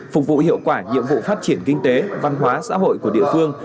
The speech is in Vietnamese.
phục vụ hiệu quả nhiệm vụ phát triển kinh tế văn hóa xã hội của địa phương